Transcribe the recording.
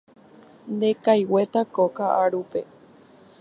Ndekaiguéta ko ka'arúpe.